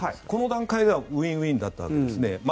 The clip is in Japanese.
この段階ではウィンウィンだったわけです。